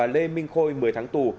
lê minh khôi một mươi tháng tù